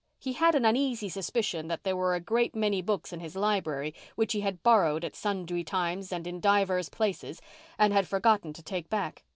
He had an uneasy suspicion that there were a great many books in his library which he had borrowed at sundry times and in divers places and had forgotten to take back.